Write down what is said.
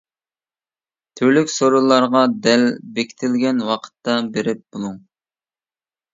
تۈرلۈك سورۇنلارغا دەل بېكىتىلگەن ۋاقىتتا بېرىپ بولۇڭ.